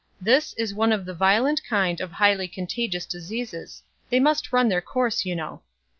This is one of the violent kind of highly contagious diseases; they must run their course, you know.